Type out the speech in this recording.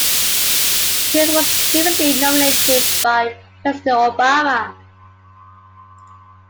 Kearns was previously nominated by President Obama.